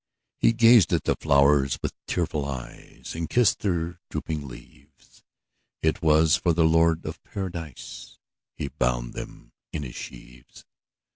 '' He gazed at the flowers with tearful eyes, He kissed their drooping leaves; It was for the Lord of Paradise He bound them in his sheaves.